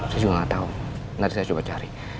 saya juga gak tau nanti saya coba cari